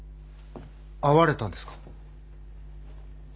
会われたんですか？